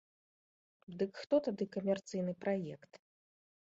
Дык хто тады камерцыйны праект?